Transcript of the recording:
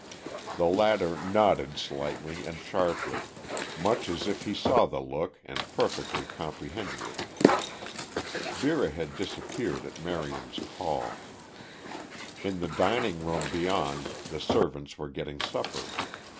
The latter nodded slightly and sharply, much as if he saw the look and perfectly comprehended it. Vera had disappeared at Marion's call. In the dining room beyond the servants were getting supper.